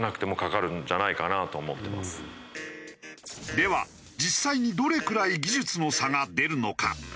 では実際にどれくらい技術の差が出るのか？